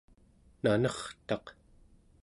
nanertaq